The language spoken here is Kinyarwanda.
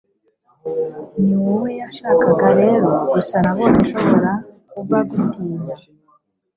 ni wowe yashakaga rero gusa nabonye ashobora kuba agutinya